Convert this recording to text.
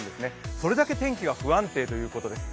それだけ天気が不安定ということです。